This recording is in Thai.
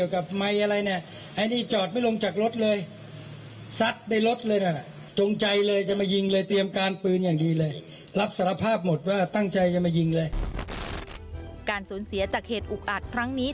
การสูญเสียจากเหตุอุกอาจครั้งนี้